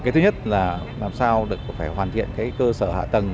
thứ nhất là làm sao phải hoàn thiện cơ sở hạ tầng